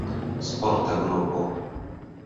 Sporta grupo.